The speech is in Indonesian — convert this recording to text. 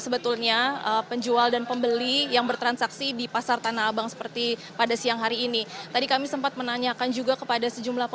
belum tentu juga sih